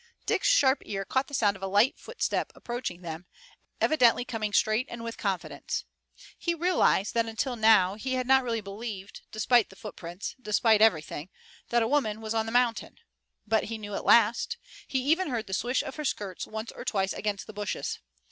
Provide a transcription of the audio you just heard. Dick's sharp ear caught the sound of a light footstep approaching them, evidently coming straight and with confidence. He realized that until now he had not really believed, despite the footprints, despite everything, that a woman was on the mountain. But he knew at last. He even heard the swish of her skirts once or twice against the bushes.